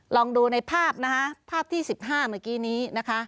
ลองดูในภาพภาพที่๑๕เมื่อกี้นี้